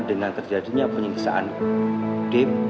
dengan terjadinya penyiksaan dave